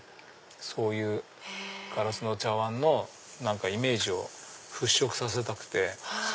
そういうガラスの茶わんのイメージを払拭させたくて。